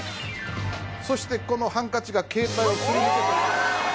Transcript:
そしてこのハンカチが携帯をすり抜けていく。